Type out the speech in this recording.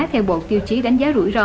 theo bộ tiêu chí đánh giá rủi ro